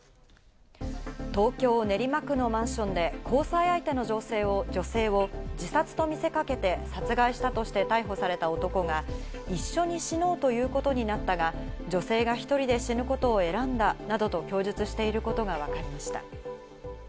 東京・練馬区のマンションで交際相手の女性を自殺と見せかけて殺害したとして逮捕された男が、一緒に死のうということになったが、女性が１人で死ぬことを選んだなどと供述していることがわかりました。